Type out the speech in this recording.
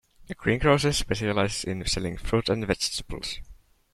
A greengrocer specialises in selling fruit and vegetables